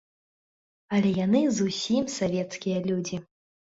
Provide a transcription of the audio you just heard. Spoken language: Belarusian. Але яны зусім савецкія людзі.